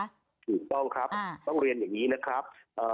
ถูกต้องครับต้องเรียนอย่างนี้นะครับ